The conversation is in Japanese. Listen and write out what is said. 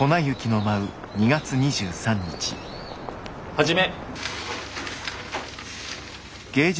始め！